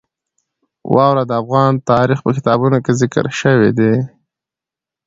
واوره د افغان تاریخ په کتابونو کې ذکر شوی دي.